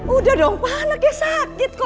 udah dong pak anaknya sakit kok